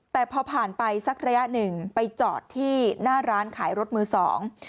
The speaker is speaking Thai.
แต่พอผ่านไปสักระยะหนึ่งไปจอดที่หน้าร้านขายรถมือสอง